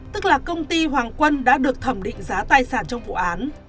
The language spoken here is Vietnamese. tức là công ty hoàng quân đã được thẩm định giá tài sản trong vụ án